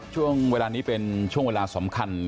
ช่วงเวลานี้เป็นช่วงเวลาสำคัญ